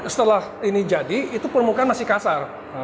setelah ini diperbuat permukaannya masih kasar